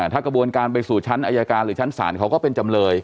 ถ้ากระบวนการไปสู่ชั้นอายการหรือชั้นศาลเขาก็เป็นจำเลย